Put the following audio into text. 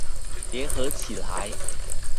聯合起來！